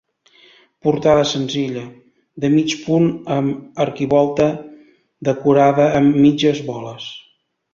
Portada senzilla, de mig punt amb arquivolta decorada amb mitges boles.